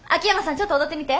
ちょっと踊ってみて。